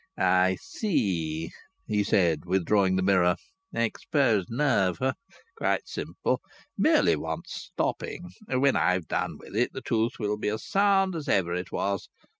"I see," he said, withdrawing the mirror. "Exposed nerve. Quite simple. Merely wants stopping. When I've done with it the tooth will be as sound as ever it was.